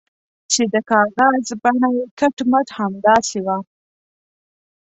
چې د کاغذ بڼه یې کټ مټ همداسې وه.